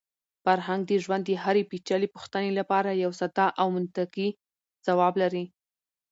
فرهنګ د ژوند د هرې پېچلې پوښتنې لپاره یو ساده او منطقي ځواب لري.